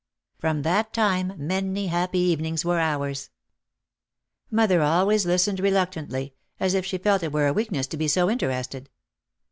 From that time many happy evenings were ours. Mother always listened reluctantly, as if she felt it were a weakness to be so interested.